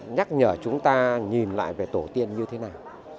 nhắc nhở chúng ta nhìn lại về tổ tiên như thế nào